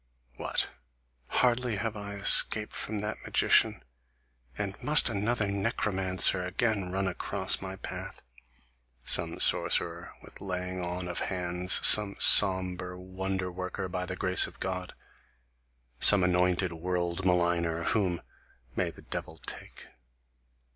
What! Hardly have I escaped from that magician, and must another necromancer again run across my path, Some sorcerer with laying on of hands, some sombre wonder worker by the grace of God, some anointed world maligner, whom, may the devil take!